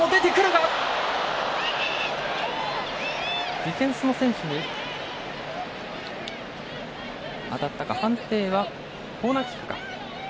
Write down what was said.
ディフェンスの選手に当たったか判定はコーナーキックか。